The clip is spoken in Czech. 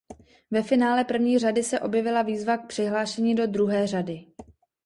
Ve finále první řady se objevila výzva k přihlášení do druhé řady.